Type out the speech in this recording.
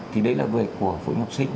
thì đấy là về của phụ học sinh